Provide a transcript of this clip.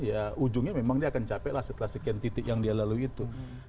ya ujungnya memang dia akan capek lah setelah sekian titik yang dia lalui itu